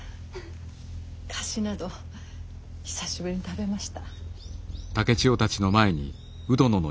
菓子など久しぶりに食べました。